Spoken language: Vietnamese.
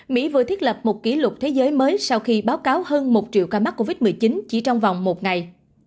mỹ vừa thiết lập một kỷ lục thế giới mới sau khi báo cáo hơn một triệu ca mắc covid một mươi chín chỉ trong vòng một ngày